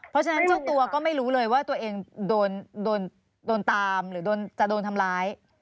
เพราะฉะนั้นเจ้าตัวก็ไม่รู้เลยว่าตัวเองโดนตามหรือจะโดนทำร้าย